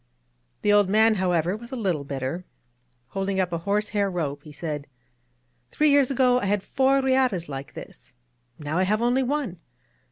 ••." The old man, however, was a little bitter. Holding up a horsehair rope, he said: ^^Three years ago I had four HatcLs like this. Now I have only one.